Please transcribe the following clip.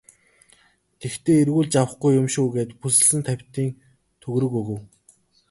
Тэгэхдээ эргүүлж авахгүй юм шүү гээд бүсэлсэн тавьтын төгрөг өгөв.